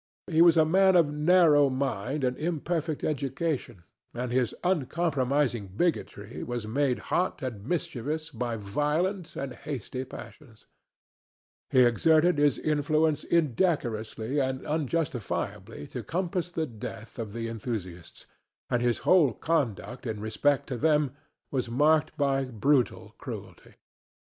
He was a man of narrow mind and imperfect education, and his uncompromising bigotry was made hot and mischievous by violent and hasty passions; he exerted his influence indecorously and unjustifiably to compass the death of the enthusiasts, and his whole conduct in respect to them was marked by brutal cruelty.